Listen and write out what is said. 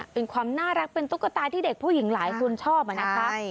เป็นความน่ารักเป็นตุ๊กตาที่เด็กผู้หญิงหลายคนชอบนะคะ